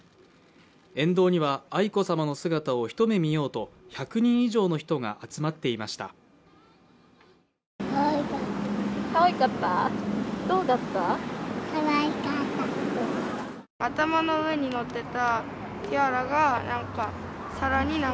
沿道には愛子さまの姿を一目見ようと１００人以上の人が集まっていました。